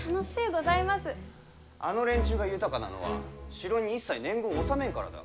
あの連中が豊かなのは城に一切年貢を納めんからだ。